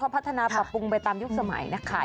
พัฒนาปรับปรุงไปตามยุคสมัยนะคะ